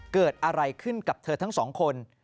เกิดอะไรขึ้นกับเธอทั้งสองคน